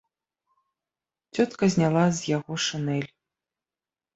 Цётка зняла з яго шынель.